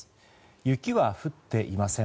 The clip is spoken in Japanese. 雪は降っていません。